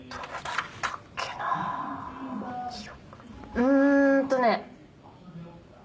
うーんとね。